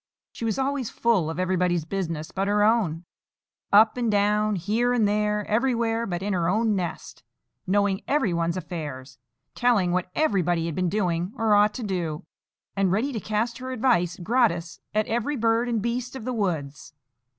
She was always full of everybody's business but her own—up and down, here and there, everywhere but in her own nest, knowing everyone's affairs, telling what everybody had been doing or ought to do, and ready to cast her advice gratis at every bird and beast of the woods.